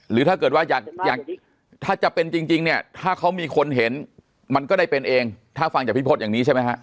หรือถ้าเกิดว่าอยากถ้าจะเป็นจริงเนี่ยถ้าเขามีคนเห็นมันก็ได้เป็นเองถ้าฟังจากพี่พศอย่างนี้ใช่ไหมฮะ